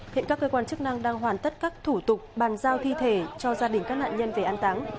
hiện các cơ quan chức năng đang hoàn tất các thủ tục bàn giao thi thể cho gia đình các nạn nhân về an táng